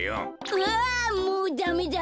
うわもうダメだ。